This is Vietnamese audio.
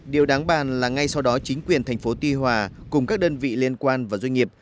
điều đáng bàn là ngay sau đó chính quyền thành phố tuy hòa cùng các đơn vị liên quan và doanh nghiệp